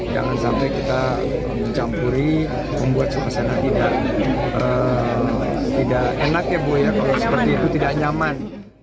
jangan sampai kita mencampuri membuat suksesan yang tidak enak ya kalau seperti itu tidak nyaman